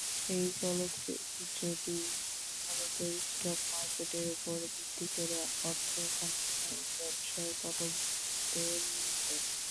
এই চলচ্চিত্রটি মূলত স্টক মার্কেটের উপর ভিত্তি করে অর্থ, ক্ষমতা ও ব্যবসায়ের পটভূমিতে নির্মিত।